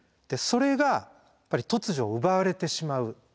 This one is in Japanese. それが突如奪われてしまう。